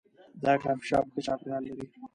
دا کافي شاپ ښه چاپیریال لري.